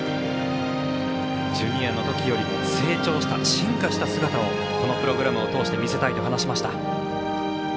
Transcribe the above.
ジュニアの時より成長した、進化した姿をこのプログラムを通して見せたいと話しました。